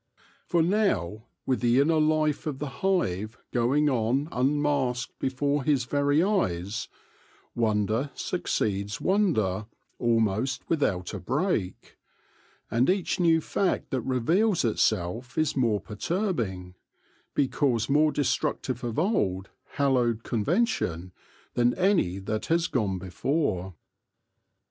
For now, with the inner life of the hive going on unmasked before his very eyes, wonder succeeds wonder almost without a break ; and each new fact that reveals itself is more perturb ing, because more destructive of old, hallowed con vention, than any that has gone before.